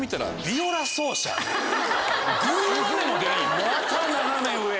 また斜め上。